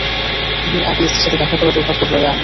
বিয়ের আগে স্ত্রীর সাথে দেখা করা দূর্ভাগ্য বয়ে আনে।